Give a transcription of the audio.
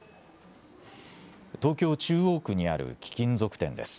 東京中央区にある貴金属店です。